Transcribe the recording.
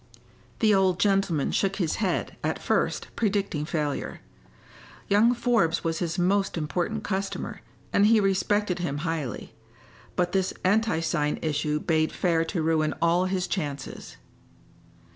The old gentleman shook his head, at first, predicting failure. Young Forbes was his most important customer, and he respected him highly; but this anti sign issue bade fair to ruin all his chances.